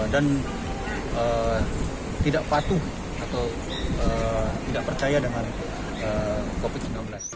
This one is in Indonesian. dan tidak patuh atau tidak percaya dengan covid sembilan belas